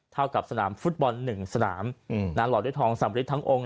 เท่ากับสนามฟุตบอล๑สนามหล่อด้วยทองสำริดทั้งองค์